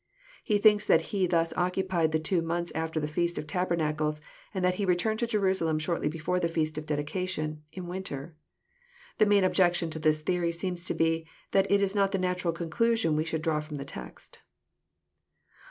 He thinks that He thus occupied the two months after the feast of tabernacles, and that He returned to Jerusalem shortly be fore the feast of dedication, in winter. The main objection to this theory seems to be, that it is not the natural conclusion we should draw from the text.